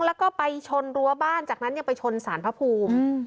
แล้วก็ไปชนรั้วบ้านจากนั้นยังไปชนสารพระภูมิ